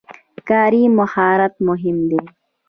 کاري مهارت مهم دی.